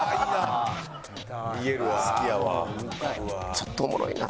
ちょっとおもろいな。